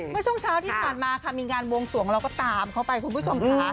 เมื่อช่วงเช้าที่ผ่านมาค่ะมีงานบวงสวงเราก็ตามเขาไปคุณผู้ชมค่ะ